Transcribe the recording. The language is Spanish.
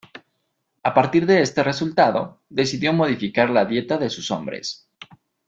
A partir de este resultado, decidió modificar la dieta de sus hombres.